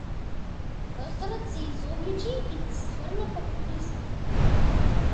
Просторот се изобличи и стврдна како кристал.